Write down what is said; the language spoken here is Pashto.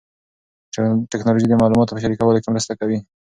ټیکنالوژي د معلوماتو په شریکولو کې مرسته کوي.